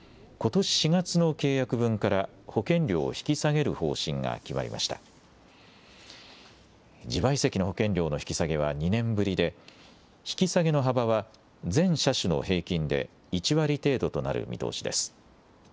自賠責の保険料の引き下げは２年ぶりで引き下げの幅は全車種の平均で１割程度となる見通しです。